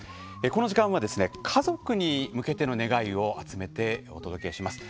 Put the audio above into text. この時間は家族に向けての願いを集めてお届けします。